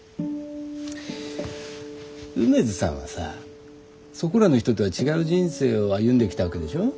梅津さんはさそこらの人とは違う人生を歩んできたわけでしょ？